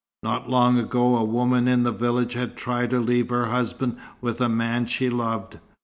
Not long ago a woman in the village had tried to leave her husband with a man she loved.